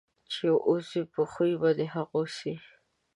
چې اوسې په خوی په د هغو سې.